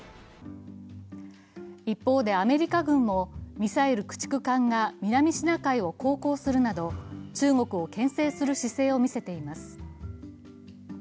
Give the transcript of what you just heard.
一方でアメリカ軍も、ミサイル駆逐艦が南シナ海を航行するなど中国をけん制する姿勢をみせています。